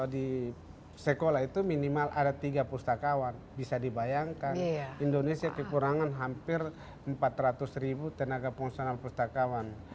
di sekolah itu minimal ada tiga pustakawan bisa dibayangkan indonesia kekurangan hampir empat ratus ribu tenaga fungsional pustakawan